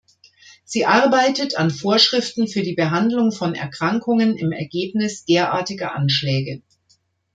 Sie arbeitet an Vorschriften für die Behandlung von Erkrankungen im Ergebnis derartiger Anschläge.